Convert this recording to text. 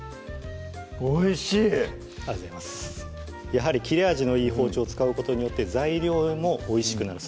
やはり切れ味のいい包丁を使うことによって材料もおいしくなる